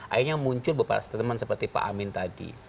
akhirnya muncul beberapa statement seperti pak amin tadi